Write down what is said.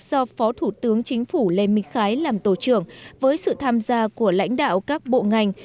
do phó thủ tướng chính phủ lê minh khái làm tổ trưởng với sự tham gia của lãnh đạo các bộ ngành